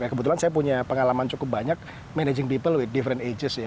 kebetulan saya punya pengalaman cukup banyak managing people week diffense ages ya